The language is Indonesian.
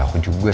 ikut di burglar